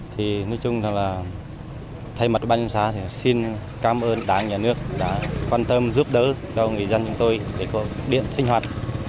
thì nói chung là thay mặt ban dân xá thì xin cảm ơn đảng nhà nước đã quan tâm giúp đỡ cho người dân chúng tôi để có điện sinh hoạt